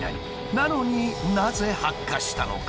なのになぜ発火したのか？